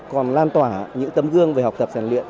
còn lan tỏa những tấm gương về học tập giàn luyện